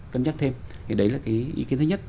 cân nhắc thêm thì đấy là cái ý kiến thứ nhất